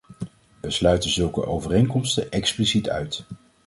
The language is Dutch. We sluiten zulke overeenkomsten expliciet uit.